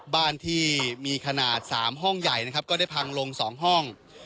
บ้านที่มีขนาด๓ห้องใหญ่นะครับก็ได้พังลง๒ห้อง